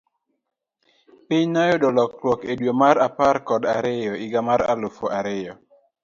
Piny noyudo lokruok e dwe mar apar kod ariyo higa mar elufu ariyo.